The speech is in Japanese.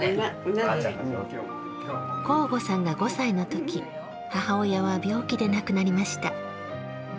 向後さんが５歳のとき母親は病気で亡くなりました。